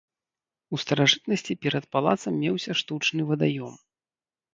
У старажытнасці перад палацам меўся штучны вадаём.